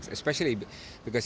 ekonomi dan politik indonesia